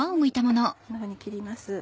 こんなふうに切ります。